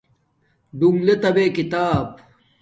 ڈون لتا بے کتاب